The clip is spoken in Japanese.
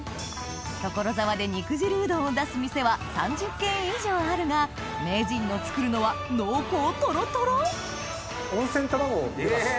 所沢で肉汁うどんを出す店は３０軒以上あるが名人の作るのは濃厚とろとろ温泉卵を入れます。